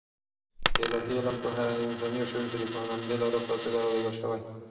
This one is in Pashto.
د الاهي علم پوهه انساني شعور ته د قانونمندې لارې په توګه رالېږل شوې.